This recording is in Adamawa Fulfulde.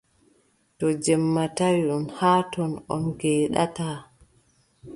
To jemma tawi on haa ɗo, on ngeeɗataa.